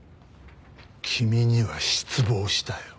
君には失望したよ。